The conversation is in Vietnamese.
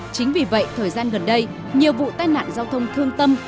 chính vì vậy thời gian gần đây nhiều vụ tai nạn giao thông thương tâm